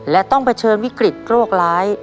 และต้องเผชิญวิกฤตโรคร้าย